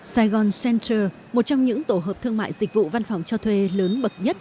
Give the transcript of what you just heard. saigon center một trong những tổ hợp thương mại dịch vụ văn phòng cho thuê lớn bậc nhất